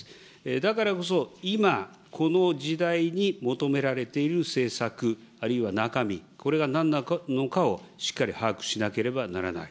だからこそ今、この時代に求められている政策、あるいは中身、これがなんなのかをしっかり把握しなければならない。